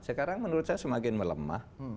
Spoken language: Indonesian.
sekarang menurut saya semakin melemah